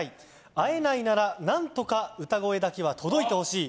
会えないなら何とか歌声だけは届いてほしい！